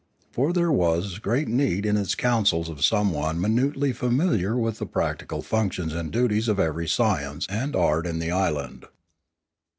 For there was great need in its councils of someone minutely familiar with the practical func tions and duties of every science and art in the island.